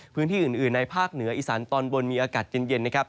พื้นที่อื่นในภาคเหนืออีสานตอนบนมีอากาศเย็นนะครับ